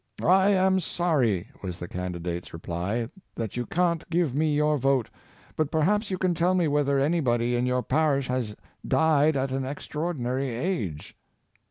"I am sorry," was the candidate's reply, "that you can't give me your vote; but perhaps you can tell me whether any body in your parish has died at an extra ordinary age!"